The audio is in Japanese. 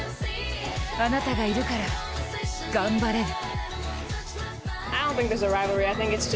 あなたがいるから、頑張れる。